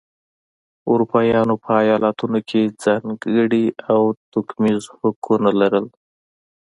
اروپایانو په ایالتونو کې ځانګړي او توکمیز حقونه لرل.